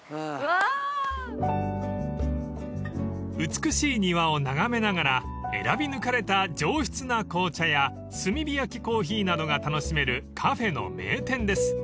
［美しい庭を眺めながら選び抜かれた上質な紅茶や炭火焼きコーヒーなどが楽しめるカフェの名店です］